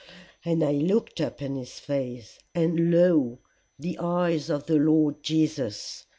And I looked up in his face, and lo the eyes of the Lord Jesus!